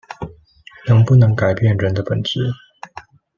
能不能改變人的本質